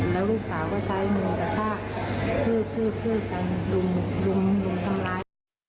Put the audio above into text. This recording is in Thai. แล้วลูกสาวก็ใช้มือกระชากคืบกันรุมทำร้าย